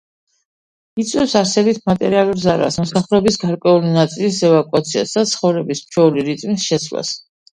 იწვევს არსებით მატერიალურ ზარალს, მოსახლეობის გარკვეული ნაწილის ევაკუაციას და ცხოვრების ჩვეული რიტმის შეცვლას.